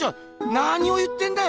なにを言ってるんだよ